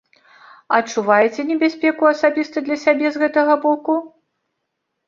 Адчуваеце небяспеку асабіста для сябе з гэтага боку?